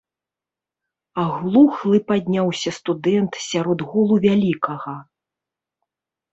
Аглухлы падняўся студэнт сярод гулу вялікага.